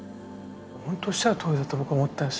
ほんとおっしゃるとおりだと僕思ったんです。